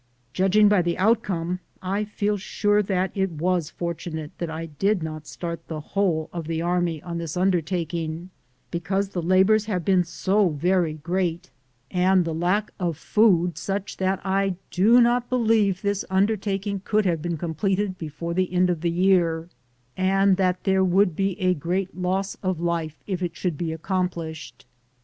Judging by the outcome, I feel sure that it waa fortunate that I did not Btart the whole of the army on this undertaking, be cause the labors have been so very great and the lack of food such that I do not believe this undertaking could have been completed before the end of this year, and that there would be a great loss of life if it should be accomplished.